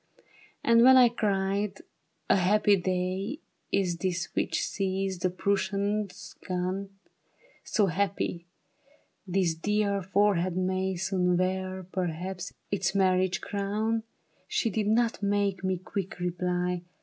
And when I cried, ^' A happy day Is this which sees the Prussians gone, So happy, this dear forehead may Soon wear, perhaps, its marriage crown, She did not make me quick reply.